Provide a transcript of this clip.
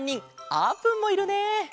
あーぷんもいるね！